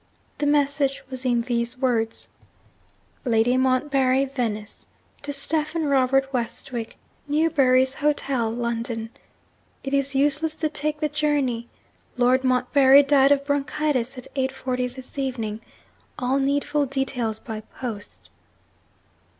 The message was in these words: 'Lady Montbarry, Venice. To Stephen Robert Westwick, Newbury's Hotel, London. It is useless to take the journey. Lord Montbarry died of bronchitis, at 8.40 this evening. All needful details by post.'